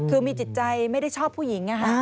คือมีจิตใจไม่ได้ชอบผู้หญิง